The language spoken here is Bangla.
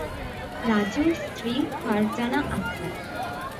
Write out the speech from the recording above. রাজুর স্ত্রী ফারজানা আক্তার।